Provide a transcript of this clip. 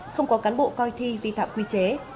không có cán bộ coi thi vi phạm quy chế